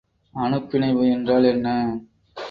அனுப்பிணைவு என்றால் என்ன?